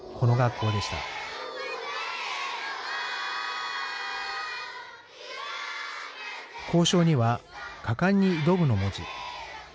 校章には「果敢に挑む」の文字。